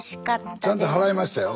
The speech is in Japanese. ちゃんと払いましたよ。